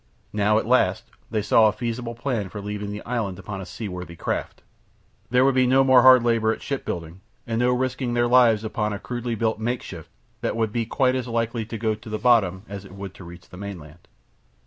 Now at last they saw a feasible plan for leaving the island upon a seaworthy craft. There would be no more hard labour at ship building, and no risking their lives upon a crudely built makeshift that would be quite as likely to go to the bottom as it would to reach the mainland.